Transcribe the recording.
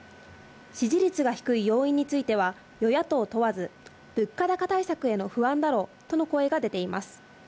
支持率が低い要因については与野党問わず、物価高対策への不安だろうとの声が出ています。